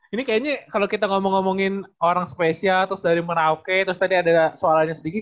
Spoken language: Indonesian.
ini kayaknya kalau kita ngomong ngomongin orang spesial terus dari merauke terus tadi ada soalannya sedikit